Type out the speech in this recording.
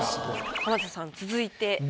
浜田さん続いて。